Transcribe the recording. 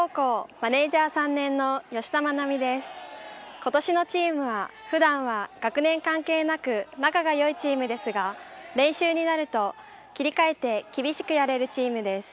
ことしのチームはふだんは、学年関係なく仲がよいチームですが練習になると切り替えて厳しくやれるチームです。